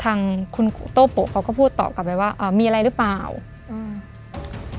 ทางคุณครูโต้โปะเขาก็พูดตอบกลับไปว่าอ่ามีอะไรหรือเปล่าอืม